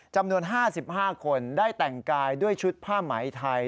จำนวน๕๕คนได้แต่งกายด้วยชุดผ้าไหมไทย